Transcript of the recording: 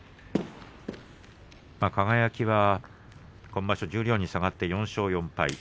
輝は今場所十両に下がって４勝４敗。